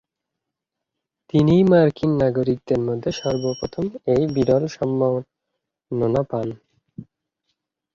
তিনিই মার্কিন নাগরিকদের মধ্যে সর্বপ্রথম এই বিরল সম্মাননা পান।